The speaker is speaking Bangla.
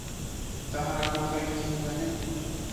তাঁহারা কোথায় গেছেন জানেন?